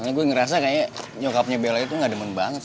karena gue ngerasa kayaknya nyokapnya bella itu nggak berani buat nyamperin dia